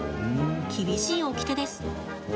厳しいおきてです。